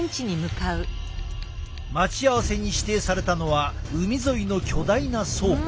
待ち合わせに指定されたのは海沿いの巨大な倉庫。